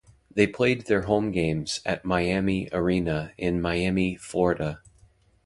They played their home games at Miami Arena in Miami, Florida.